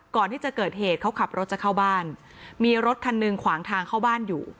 ก่อนที่จะเกิดเหตุเขาขับรถจะเข้าบ้านมีรถคันหนึ่งขวางทางเข้าบ้านอยู่